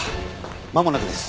まもなくです。